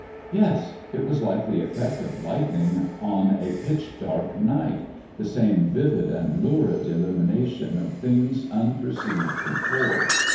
"Yes; it was like the effect of lightning oh a pitch dark night the same vivid and lurid illumination of things unperceived before.